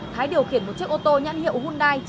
thái điều khiển một chiếc ô tô nhãn hiệu hyundai